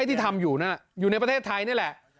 ที่ทำอยู่อยู่ในประเทศไทยนี่แหละ